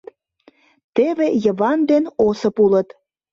Теве Йыван ден Осып улыт...